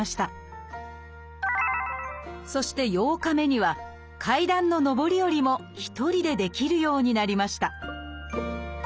そして８日目には階段の上り下りも一人でできるようになりました。